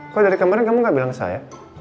kok dari kemarin kamu gak bilang saya